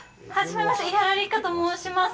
伊原六花と申します。